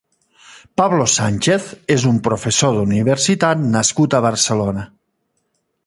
Pablo Sánchez és un professor d'universitat nascut a Barcelona.